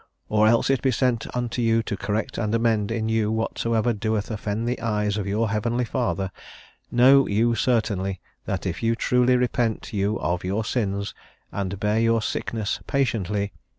. or else it be sent unto you to correct and amend in you whatsoever doth offend the eyes of your heavenly Father; know you certainly, that if you truly repent you of your sins, and bear your sickness patiently